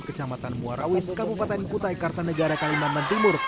kecamatan muarawis kabupaten kutai kartanegara kalimantan timur